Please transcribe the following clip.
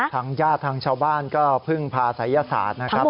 ทางญาติทางชาวบ้านก็พึ่งพาศัยศาสตร์นะครับ